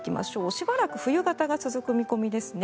しばらく冬型が続く見込みですね。